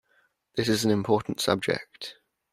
This is an important subject.